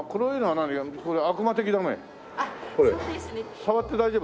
触って大丈夫？